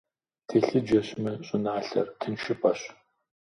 Телъыджэщ мы щӀыналъэр, тыншыпӀэщ.